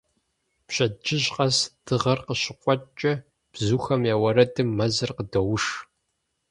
Пщэддыжь къэс, дыгъэр къыщыкъуэкӀкӀэ, бзухэм я уэрэдым мэзыр къыдоуш.